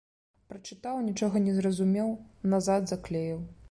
Прачытаў, нічога не зразумеў, назад заклеіў.